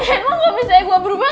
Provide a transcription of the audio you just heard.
emang lo percaya gue berubah